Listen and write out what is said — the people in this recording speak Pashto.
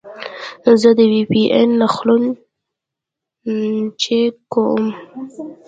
زه د وي پي این نښلون چک کوم.